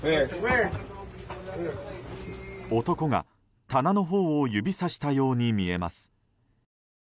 男が棚のほうを指さしたように見えます。